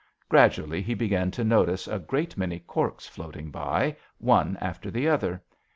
Gradually he began to notice a great many corks floating by, one after the other.